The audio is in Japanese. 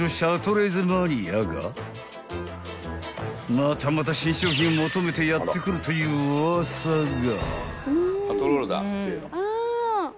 ［またまた新商品を求めてやって来るというウワサが］